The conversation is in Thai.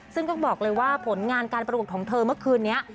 ซึ่งต้องบอกเลยว่าผลงานการประกวดของเธอเมื่อคืนนี้